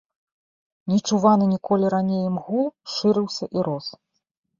Нечуваны ніколі раней ім гул шырыўся і рос.